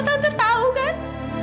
tante tau kan